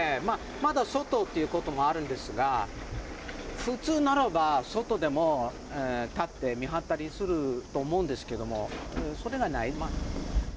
まだ外ということもあるんですが普通ならば外でも立って見はったりすると思うんですがそれがない。